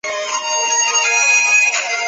他因为玄宗作祭祀词而得圣宠。